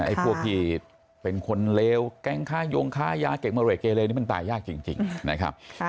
ไอ้พวกผีเป็นคนเลวแก้งค้ายงค้ายาเก่งเมื่อไหร่เก่งเลวนี่มันตายยากจริงนะครับ